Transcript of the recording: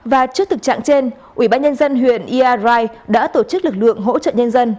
và trước thực trạng trên ubnd huyện ia rai đã tổ chức lực lượng hỗ trợ nhân dân